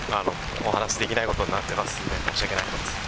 お話しできないことになってますので、申し訳ないです。